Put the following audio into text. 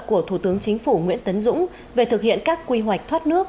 của thủ tướng chính phủ nguyễn tấn dũng về thực hiện các quy hoạch thoát nước